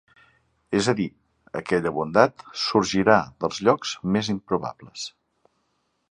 És a dir, aquella bondat sorgirà dels llocs més improbables.